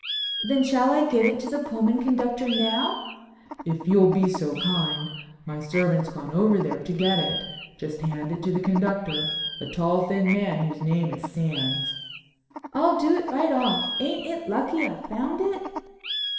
"Then shall I give it to the Pullman conductor now?" "If you'll be so kind. My servant's gone over there to get it. Just hand it to the conductor—a tall, thin man, whose name is Sands." "I'll do it right off. Ain't it lucky I found it?"